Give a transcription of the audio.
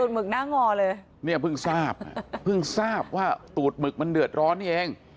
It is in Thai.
หมึกหน้างอเลยเนี่ยเพิ่งทราบเพิ่งทราบว่าตูดหมึกมันเดือดร้อนนี่เอง